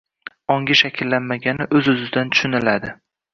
ongi shakllanmagani o‘z-o‘zidan tushuniladi.